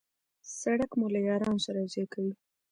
سړک مو له یارانو سره یو ځای کوي.